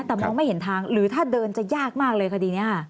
แต่มองไม่เห็นทางหรือถ้าเดินจะยากมากเลยคดีนี้